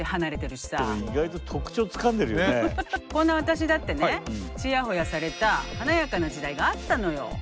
でも意外とこんな私だってねちやほやされた華やかな時代があったのよ。